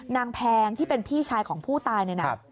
นางแพงที่เป็นพี่ชายของผู้ตาย